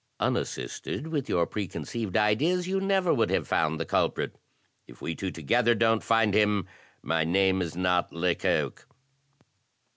Unassisted, with your preconceived ideas,' you never would have found the culprit; if we two together don't find him, my name is not Lecoq."